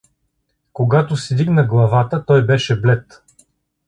Когато си дигна главата, той беше блед.